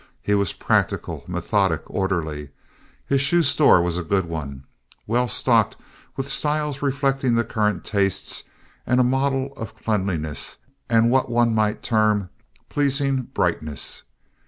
He was practical, methodic, orderly. His shoe store was a good one—well stocked with styles reflecting the current tastes and a model of cleanliness and what one might term pleasing brightness.